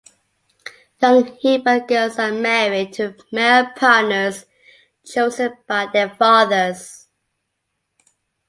Young Himba girls are married to male partners chosen by their fathers.